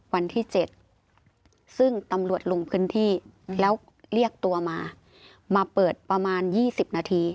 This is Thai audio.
วันที่๗ซึ่งตำรวจลงพื้นที่แล้วเรียกตัวมามาเปิดประมาณ๒๐นาที